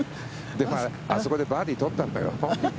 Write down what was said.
あそこでバーディーを取ったんだよ？